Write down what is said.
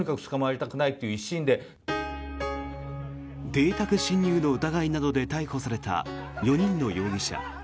邸宅侵入の疑いなどで逮捕された４人の容疑者。